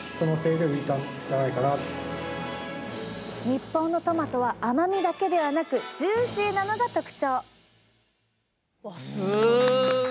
日本のトマトは甘みだけではなくジューシーなのが特徴！